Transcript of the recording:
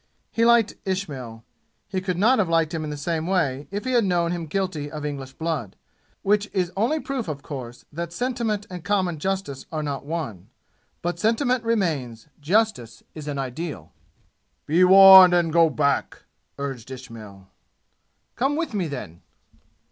He liked Ismail. He could not have liked him in the same way if he had known him guilty of English blood, which is only proof, of course, that sentiment and common justice are not one. But sentiment remains. Justice is an ideal. "Be warned and go back!" urged Ismail. "Come with me, then."